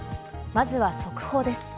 まずは速報です。